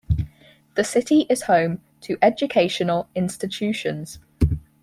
The city is home to educational institutions.